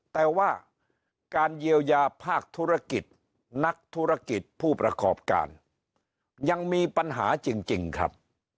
แต่ว่าการเยียวยาภาคธุรกิจนักธุรกิจผู้ประกอบการยังมีปัญหาจริงครับ